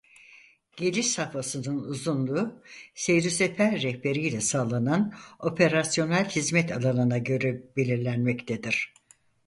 Geliş safhasının uzunluğu seyrüsefer rehberiyle sağlanan operasyonel hizmet alanına göre belirlenmektedir.